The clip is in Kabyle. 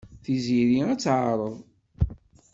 Tiziri ad t-teɛreḍ.